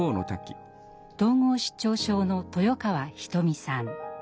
統合失調症の豊川ひと美さん。